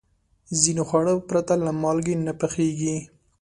ځینې خواړه پرته له مالګې نه پخېږي.